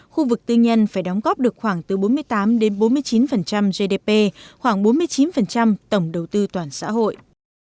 khu vực tư nhân phải đóng góp được khoảng từ bốn mươi tám đến bốn mươi chín gdp khoảng bốn mươi chín tổng đầu tư toàn xã hội